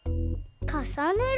かさねる？